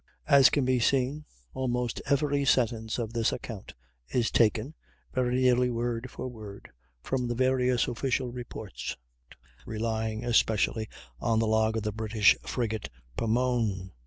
Naval Academy Museum)] As can been seen, almost every sentence of this account is taken (very nearly word for word) from the various official reports, relying especially on the log of the British frigate Pomone.